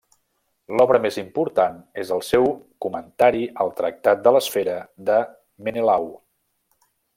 L'obra més important és el seu comentari al Tractat de l'Esfera de Menelau.